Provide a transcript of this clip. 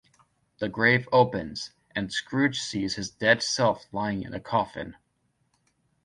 The grave opens, and Scrooge sees his dead self lying in a coffin.